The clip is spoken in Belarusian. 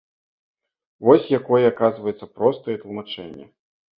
Вось якое, аказваецца, простае тлумачэнне!